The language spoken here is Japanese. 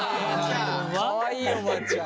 かわいいおばあちゃん。